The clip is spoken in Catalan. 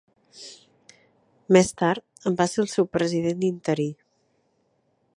Més tard en va ser el seu president interí.